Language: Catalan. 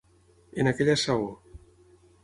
En aquella saó.